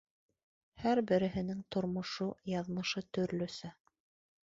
Һәр береһенең тормошо, яҙмышы төрлөсә.